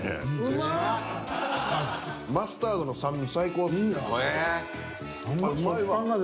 マスタードの酸味最高ですね。